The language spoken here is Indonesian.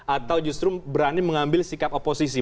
atau justru berani mengambil sikap oposisi